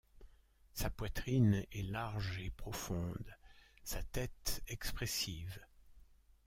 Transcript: Sa poitrine est large et profonde, sa tête expressive.